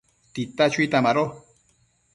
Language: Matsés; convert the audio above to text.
tita chuitan mado